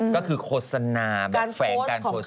ก็คือโฆษณาแบบแฝงการโฆษณ